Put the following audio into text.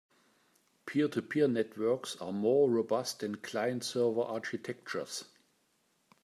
Peer-to-peer networks are more robust than client-server architectures.